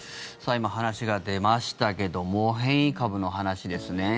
今、話が出ましたけども変異株の話ですね。